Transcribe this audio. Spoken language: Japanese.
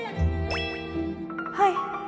はい。